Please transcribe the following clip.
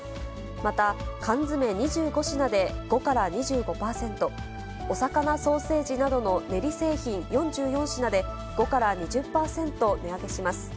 また、缶詰２５品で５から２５％、おさかなソーセージなどの練り製品４４品で５から２０％値上げします。